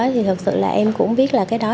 thì thật sự là em cũng biết là cái đó